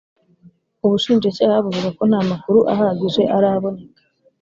ubushinjacyaha buvuga ko nta makuru ahagije araboneka